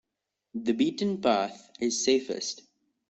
The beaten path is safest.